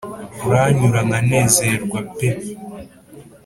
uranyura nkanezerwa pe